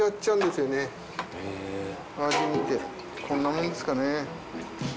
こんなもんですかね。